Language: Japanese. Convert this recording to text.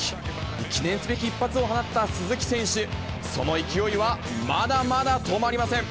記念すべき一発を放った鈴木選手、その勢いはまだまだ止まりません。